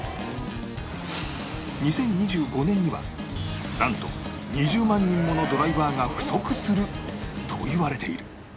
２０２５年にはなんと２０万人ものドライバーが不足するといわれている